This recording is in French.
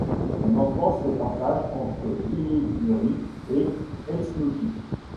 Son enfance se partage entre Viipuri et Helsinki.